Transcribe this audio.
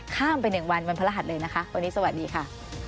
ข้ามไป๑วันวันพระรหัสเลยนะคะวันนี้สวัสดีค่ะ